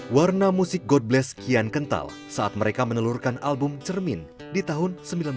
warna musik god bless kian kental saat mereka menelurkan album cermin di tahun seribu sembilan ratus sembilan puluh